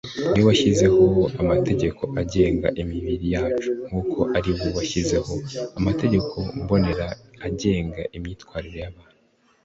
ni we washyizeho amategeko agenga imibiri yacu, nk'uko ari we washyizeho amategeko mbonera agenga imyitwarire y'abantu